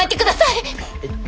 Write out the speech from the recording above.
えっ。